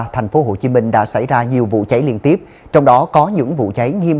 thành phố hồ chí minh đã xảy ra nhiều vụ cháy liên tiếp trong đó có những vụ cháy nghiêm